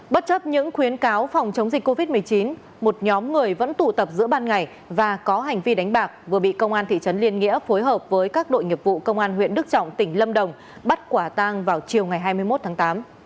bất chấp những khuyến cáo phòng chống dịch covid một mươi chín một nhóm người vẫn tụ tập giữa ban ngày và có hành vi đánh bạc vừa bị công an thị trấn liên nghĩa phối hợp với các đội nghiệp vụ công an huyện đức trọng tỉnh lâm đồng bắt quả tang vào chiều ngày hai mươi một tháng tám